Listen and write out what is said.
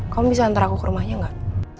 kamu bisa ntar aku ke rumahnya enggak